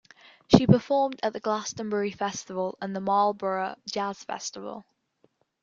She performed at the Glastonbury Festival and the Marlborough Jazz Festival.